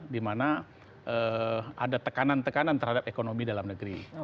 dimana ada tekanan tekanan terhadap ekonomi dalam negeri